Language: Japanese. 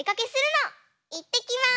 いってきます！